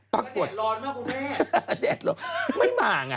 ตักปวดแดดร้อนมากคุณแม่แดดร้อนไม่มาง่ะ